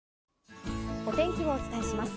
お天気をお伝えします。